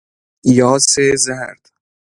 یاس زرد